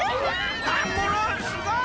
ダンゴロウすごい！